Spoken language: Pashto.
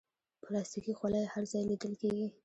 پلاستيکي خولۍ هر ځای لیدل کېږي.